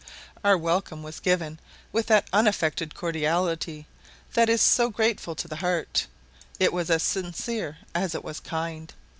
Our welcome was given with that unaffected cordiality that is so grateful to the heart: it was as sincere as it was kind.